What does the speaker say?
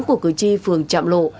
của cử tri phường trạm lộ